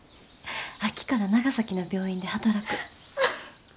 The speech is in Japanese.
秋から長崎の病院で働く。